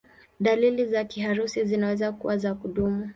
Dalili za kiharusi zinaweza kuwa za kudumu.